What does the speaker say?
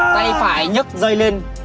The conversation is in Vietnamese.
tay phải nhấc dây lên